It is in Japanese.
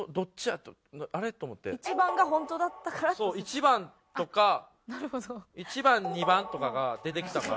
１番とか１番２番とかが出てきたから。